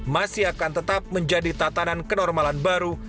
masih akan tetap menjadi tatanan kenormalan baru